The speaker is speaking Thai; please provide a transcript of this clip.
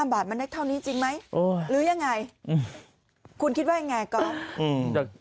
บาทมันได้เท่านี้จริงไหมหรือยังไงคุณคิดว่ายังไงก็